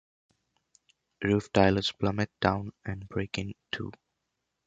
Roof tilers plummet down and break in two.